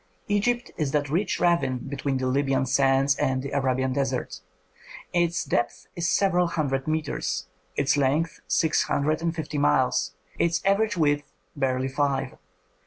Egypt is that rich ravine between the Libyan sands and the Arabian desert. Its depth is several hundred metres, its length six hundred and fifty miles, its average width barely five.